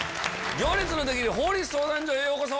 『行列のできる法律相談所』へようこそ。